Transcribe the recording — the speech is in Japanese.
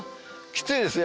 きついですよ。